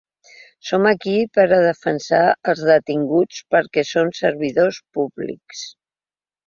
Som aquí per a defensar els detinguts perquè són servidors públics.